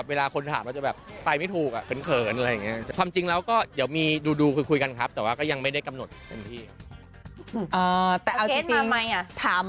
มาถามว่าใช่คนนี้ไหมก็เป็นคนนี้แหละ